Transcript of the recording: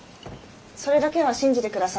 それだけは信じてください。